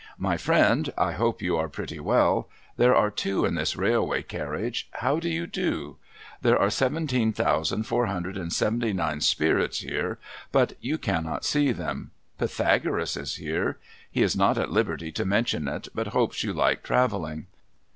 ' My friend, I hope you are pretty well. There are two in this railway carriage. How do you do ? There are seventeen thousand four hundred and seventy nine spirits here, but you cannot see them. Pythagoras is here. He is not at liberty to mention it, but hopes you like travelling.'